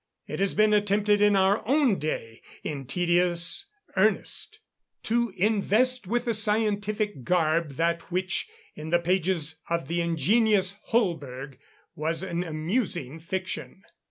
It has been attempted in our own day, in tedious earnest, to invest with a scientific garb that which, in the pages of the ingenious Holberg, was an amusing fiction."